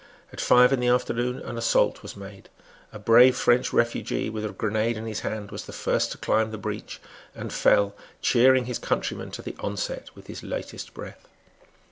At five in the afternoon an assault was made. A brave French refugee with a grenade in his hand was the first to climb the breach, and fell, cheering his countrymen to the onset with his latest breath.